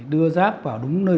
đưa rác vào đúng nơi